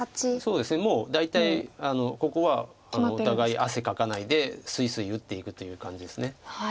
そうですねもう大体ここはお互い汗かかないですいすい打っていくという感じです。